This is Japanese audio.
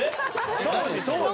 当時当時。